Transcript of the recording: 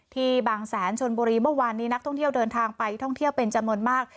บางแสนชนบุรีเมื่อวานนี้นักท่องเที่ยวเดินทางไปท่องเที่ยวเป็นจำนวนมาก